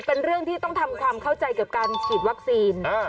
เป็นเรื่องที่ต้องทำความเข้าใจกับการฉีดวัคซีน